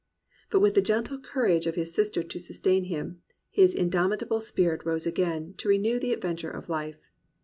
But with the gentle courage of his sister to sustain him, his indomitable spirit rose again, to renew the adventure of life.